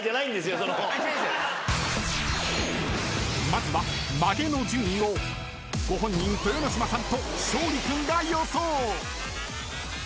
［まずはまげの順位をご本人豊ノ島さんと勝利君が予想］